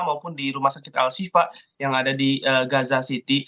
maupun di rumah sakit al shiva yang ada di gaza city